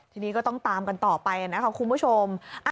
ทีนี้ก็ต้องตามกันต่อไปนะคะคุณผู้ชม